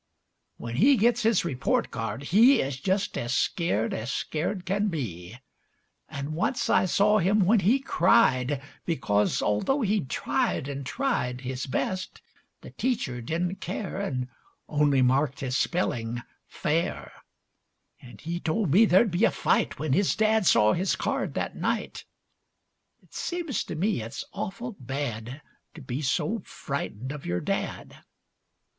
When he gets his report card, he Is just as scared as scared can be, An' once I saw him when he cried Becoz although he'd tried an' tried His best, the teacher didn't care An' only marked his spelling fair, An' he told me there'd be a fight When his dad saw his card that night. It seems to me it's awful bad To be so frightened of your dad.